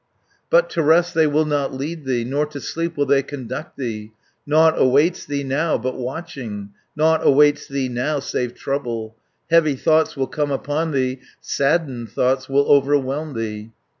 "But to rest they will not lead thee, Nor to sleep will they conduct thee; 300 Nought awaits thee now but watching, Nought awaits thee now save trouble, Heavy thoughts will come upon thee, Saddened thoughts will overwhelm thee.